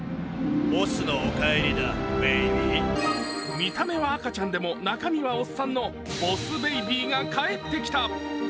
見た目は赤ちゃんでも中身はおっさんのボス・ベイビーが帰ってきた。